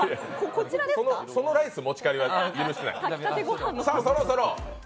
そのライス持ち帰りはやってない。